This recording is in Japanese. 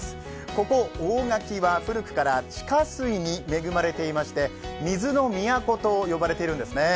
ここ、大垣は古くから地下水に恵まれていまして水の都と呼ばれているんですね。